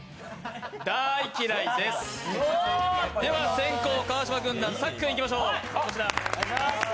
先攻川島軍団、さっくんいきましょう。